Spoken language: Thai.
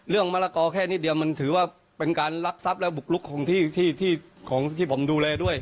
มะละกอแค่นิดเดียวมันถือว่าเป็นการรักทรัพย์และบุกลุกของที่ผมดูแลด้วย